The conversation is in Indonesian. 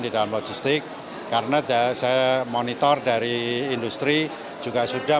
di dalam logistik karena saya monitor dari industri juga sudah